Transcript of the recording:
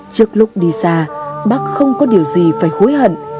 trước lúc đi xa bác không có điều gì phải hối hận